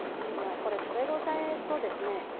これ食べ応えとですね